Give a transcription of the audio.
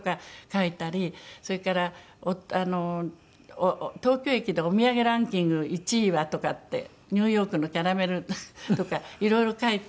それから東京駅でお土産ランキング１位は？とかってニューヨークのキャラメルとかいろいろ言うんですよ。